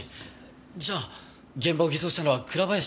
じゃあ現場を偽装したのは倉林ですか？